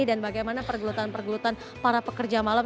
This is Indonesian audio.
dan bagaimana pergelutan pergelutan para pekerja malam